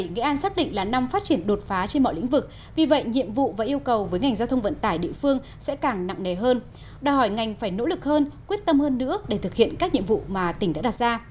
nghệ an xác định là năm phát triển đột phá trên mọi lĩnh vực vì vậy nhiệm vụ và yêu cầu với ngành giao thông vận tải địa phương sẽ càng nặng nề hơn đòi hỏi ngành phải nỗ lực hơn quyết tâm hơn nữa để thực hiện các nhiệm vụ mà tỉnh đã đặt ra